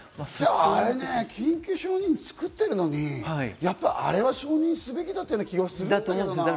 あれね、緊急承認を作ってるのに、あれは承認すべきだったような気がするんだけどな。